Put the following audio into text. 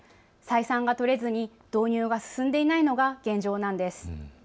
採算が取れずに導入が進んでいないのが現状なんです。